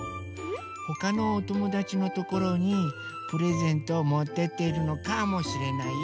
ほかのおともだちのところにプレゼントをもってっているのかもしれないよ。